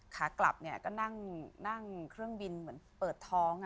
ขากลับก็นั่งเครื่องบินเหมือนเปิดท้อง